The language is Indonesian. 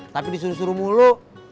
tapi disuruh suruh mulu